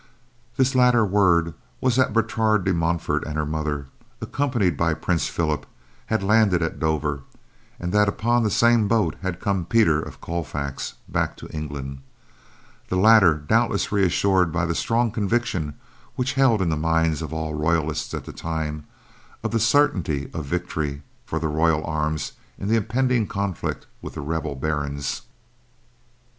This latter word was that Bertrade de Montfort and her mother, accompanied by Prince Philip, had landed at Dover, and that upon the same boat had come Peter of Colfax back to England—the latter, doubtless reassured by the strong conviction, which held in the minds of all royalists at that time, of the certainty of victory for the royal arms in the impending conflict with the rebel barons.